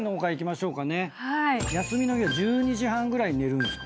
休みの日は１２時半ぐらいに寝るんすか？